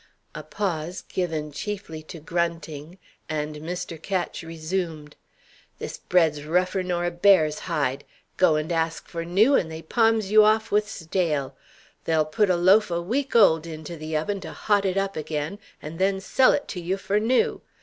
A pause, given chiefly to grunting, and Mr. Ketch resumed: "This bread's rougher nor a bear's hide! Go and ask for new, and they palms you off with stale. They'll put a loaf a week old into the oven to hot up again, and then sell it to you for new!